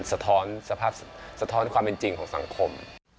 สะท้อนสะท้อนความเป็นจริงของสังคม